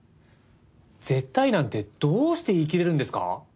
絶対なんてどうして言いきれるんですか？